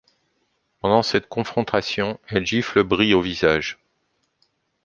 Pendant cette confrontation, elle gifle Brie au visage.